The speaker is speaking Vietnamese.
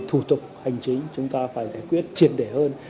thủ tục hành chính chúng ta phải giải quyết triệt để hơn